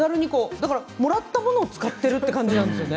だからもらったものを使っているという感じなんですね。